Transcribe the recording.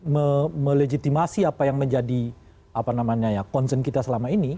mereka melejitimasi apa yang menjadi konsen kita selama ini